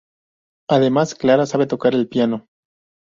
Además Clara sabe tocar el piano.